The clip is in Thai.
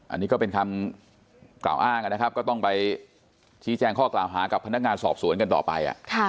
อันนี้ก็เป็นคำกล่าวอ้างนะครับก็ต้องไปชี้แจ้งข้อกล่าวหากับพนักงานสอบสวนกันต่อไป